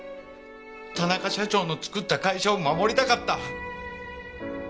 田中社長の作った会社を守りたかった。